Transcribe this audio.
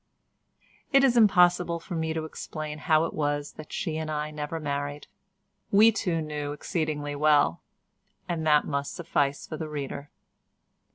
It is impossible for me to explain how it was that she and I never married. We two knew exceedingly well, and that must suffice for the reader.